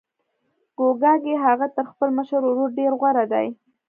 ګواکې هغه تر خپل مشر ورور ډېر غوره دی